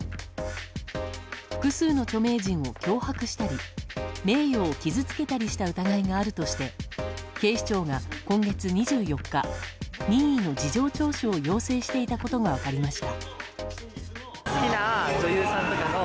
複数の著名人を脅迫したり名誉を傷つけたりした疑いがあるとして警視庁が今月２４日任意の事情聴取を要請していたことが分かりました。